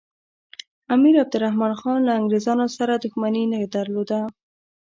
امیر عبدالرحمن خان له انګریزانو سره دښمني نه درلوده.